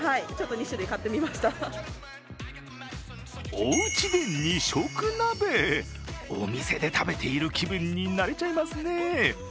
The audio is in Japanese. おうちで二色鍋、お店で食べている気分になれちゃいますね。